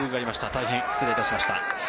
大変失礼いたしました。